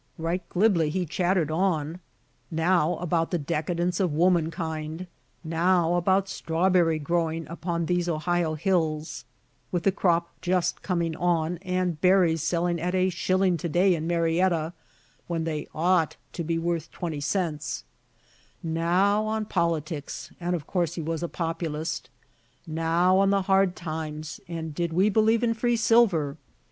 Right glibly he chattered on; now about the decadence of womankind; now about strawberry growing upon these Ohio hills with the crop just coming on, and berries selling at a shilling to day, in Marietta, when they ought to be worth twenty cents; now on politics, and of course he was a Populist; now on the hard times, and did we believe in free silver?